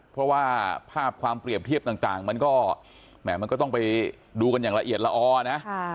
เพราะว่าภาพความเปรียบเทียบต่างมันก็แหม่มันก็ต้องไปดูกันอย่างละเอียดละออนะ